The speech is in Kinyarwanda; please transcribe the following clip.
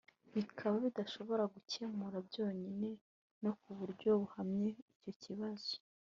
bikaba bitashobora gukemura byonyine no ku buryo buhamye icyo kibazo